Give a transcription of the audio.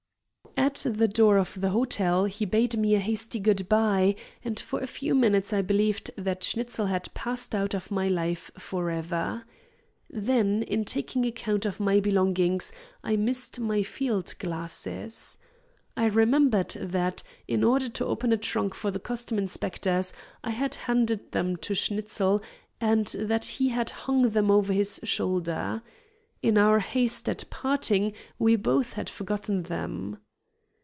At the door of the hotel he bade me a hasty good by, and for a few minutes I believed that Schnitzel had passed out of my life forever. Then, in taking account of my belongings, I missed my field glasses. I remembered that, in order to open a trunk for the customs inspectors, I had handed them to Schnitzel, and that he had hung them over his shoulder. In our haste at parting we both had forgotten them.